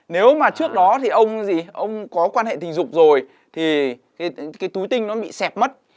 nếu mà trước đó thì ông có quan hệ tình dục rồi thì cái túi tinh nó bị xẹp mất